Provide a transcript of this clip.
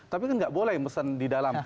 tapi kan nggak boleh mesen di dalam